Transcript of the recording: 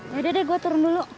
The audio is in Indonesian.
ya udah gue turun dulu